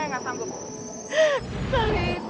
tapi kalau kamu terus menerus minta tolong